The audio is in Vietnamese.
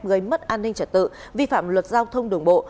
gây mất an ninh trật tự vi phạm luật giao thông đường bộ